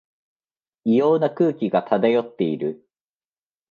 異様な空気が漂っている